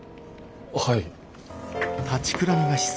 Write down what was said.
はい。